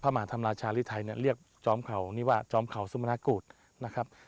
มหาธรรมราชาหรือไทยเนี่ยเรียกจอมเข่านี่ว่าจอมเข่าสุมนากูธนะครับ